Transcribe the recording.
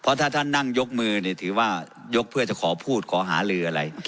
ถ้าท่านนั่งยกมือเนี่ยถือว่ายกเพื่อจะขอพูดขอหาลืออะไร